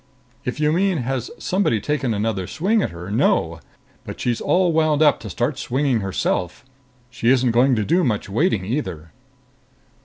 "If you mean has somebody taken another swing at her, no. But she's all wound up to start swinging herself. She isn't going to do much waiting either."